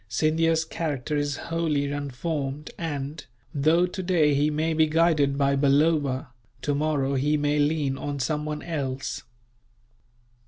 Scindia's character is wholly unformed and, though today he may be guided by Balloba, tomorrow he may lean on someone else.